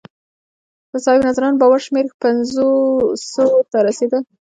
د صاحب نظرانو باور شمېر پنځو سوو ته رسېده